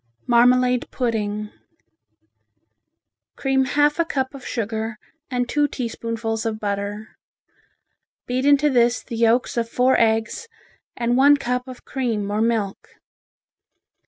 Marmalade Pudding Cream half a cup of sugar and two teaspoonfuls of butter. Beat into this the yolks of four eggs and one cup of cream or milk.